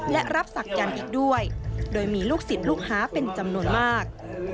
และรับศักดิ์อีกด้วยโดยมีลูกศิษย์ลูกค้าเป็นจำนวนมาก